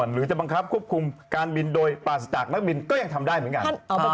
หรือจะบังคับควบคุมการบินโดยปราศจากนักบินก็ยังทำได้เหมือนกัน